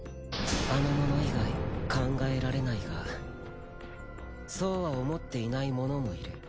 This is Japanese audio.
あの者以外考えられないがそうは思っていない者もいる。